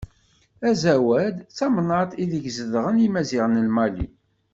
Azawad, d tamennaṭ ideg zedɣen Yimaziɣen n Mali.